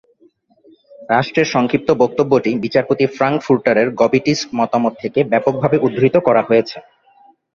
রাষ্ট্রের সংক্ষিপ্ত বক্তব্যটি বিচারপতি ফ্রাঙ্কফুর্টারের গবিটিস মতামত থেকে ব্যাপকভাবে উদ্ধৃত করা হয়েছে।